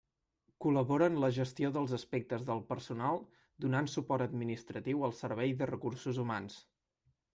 Col·labora en la gestió dels aspectes del personal, donant suport administratiu al Servei de Recursos Humans.